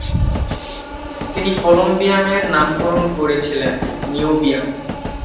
তিনি কলম্বিয়ামের নামকরণ করেছিলেন "নিওবিয়াম"।